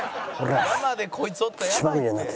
「山でこいつおったらやばいって」